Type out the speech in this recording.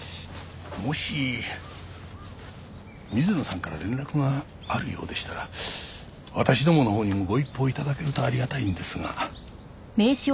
もし水野さんから連絡があるようでしたら私どものほうにもご一報頂けるとありがたいんですが。